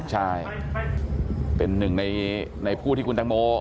ใช่เป็นหนึ่งในผู้ที่คุณตังโม